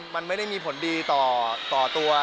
มันไม่ได้มีผลดีต่อตัว